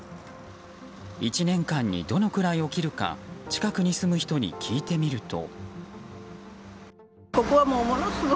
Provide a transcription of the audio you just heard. １年間にどのくらい起きるか近くに住む人に聞いてみると。